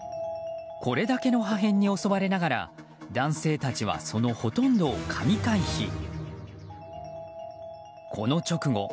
これだけの破片に襲われながら男性たちはそのほとんどを神回避。